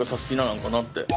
なんかなって。